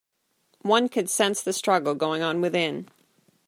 One could sense the struggle going on within.